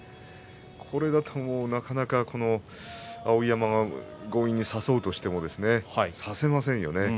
これだと、もうなかなか碧山は強引に差そうとしても差せませんよね。